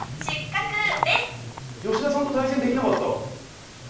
吉田さんと対戦できなかった。